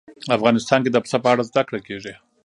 افغانستان کې د پسه په اړه زده کړه کېږي.